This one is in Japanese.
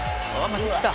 またきた！」